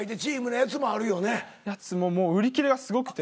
やつももう売り切れがすごくて。